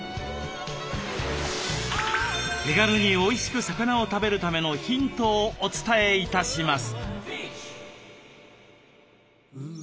手軽においしく魚を食べるためのヒントをお伝え致します。